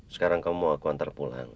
sekarang kamu mau aku antar pulang